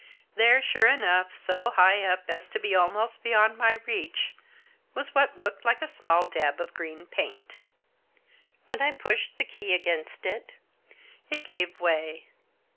There, sure enough, so high up as to be almost beyond my reach, was what looked like a small dab of green paint. When I pushed the key against it it gave way.